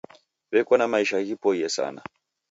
W'eko na maisha ghiboie sana.